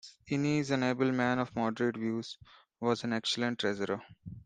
Innes, an able man of moderate views, was an excellent treasurer.